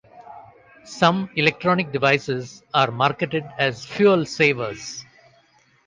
Some electronic devices are marketed as fuel savers.